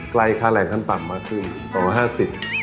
ใกล้ค้าแรงทั้งปันมากขึ้น๒๕๐บาท